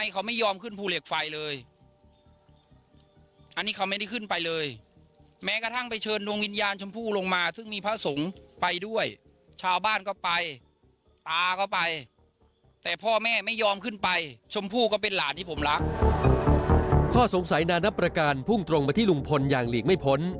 ข้อสงสัยนานประการพุ่งตรงไปที่ลุงพลอย่างหลีกไม่พ้น